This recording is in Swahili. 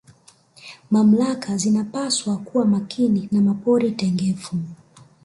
mamlaka zinapaswa kuwa Makini na mapori tengefu